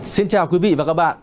xin chào quý vị và các bạn